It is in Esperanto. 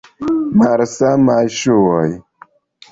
Malsamaj ŝuoj.